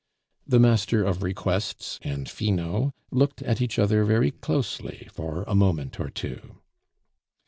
The Master of Requests and Finot looked at each other very closely for a moment or two.